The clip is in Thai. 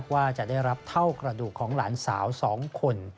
ว่าจะได้รับเท่ากระดูกของหลานสาว๒คน